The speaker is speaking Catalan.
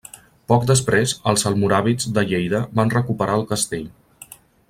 Poc després, els almoràvits de Lleida van recuperar el castell.